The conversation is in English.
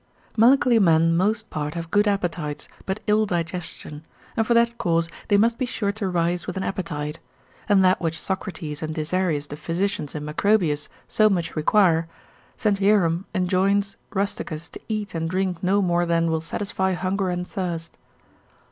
Melancholy men most part have good appetites, but ill digestion, and for that cause they must be sure to rise with an appetite; and that which Socrates and Disarius the physicians in Macrobius so much require, St. Hierom enjoins Rusticus to eat and drink no more than, will satisfy hunger and thirst.